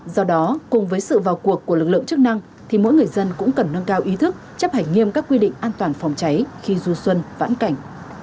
do đó cùng với sự vào cuộc của lực lượng chức năng thì mỗi người dân cũng cần nâng cao ý thức chấp hành nghiêm các quy định an toàn phòng cháy khi du xuân vãn cảnh